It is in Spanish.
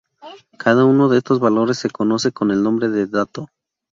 Cada uno de estos valores se conoce con el nombre de dato.